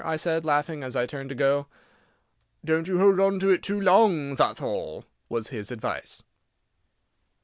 I said, laughing, as I turned to go. "Don't you hold on to it too long, that'th all," was his advice.